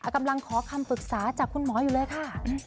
กำลังขอคำปรึกษาจากคุณหมออยู่เลยค่ะ